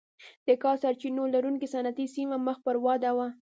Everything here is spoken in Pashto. د کا سرچینو لرونکې صنعتي سیمه مخ پر وده وه.